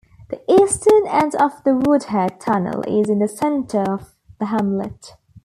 The eastern end of the Woodhead Tunnel is in the centre of the hamlet.